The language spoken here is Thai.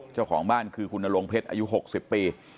เจ้าของบ้านคือคุณนรงเพชรอายุ๖๐ปี